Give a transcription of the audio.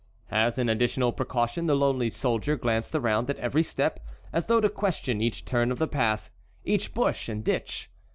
As an additional precaution the lonely soldier glanced around at every step as though to question each turn of the path, each bush and ditch.